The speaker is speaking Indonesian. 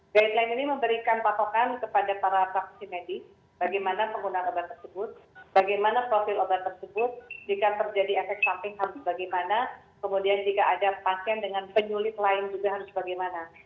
guideline ini memberikan patokan kepada para praksi medis bagaimana penggunaan obat tersebut bagaimana profil obat tersebut jika terjadi efek samping harus bagaimana kemudian jika ada pasien dengan penyulit lain juga harus bagaimana